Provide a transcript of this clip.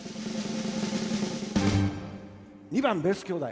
２番ベース兄弟。